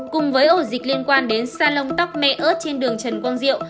cùng với ổ dịch liên quan đến salon tóc mẹ ớt trên đường trần quang diệu